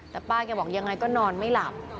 แต่ป้าแกบอกยังไงก็นอนไม่หลับ